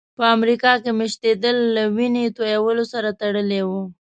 په امریکا کې مېشتېدل له وینې تویولو سره تړلي وو.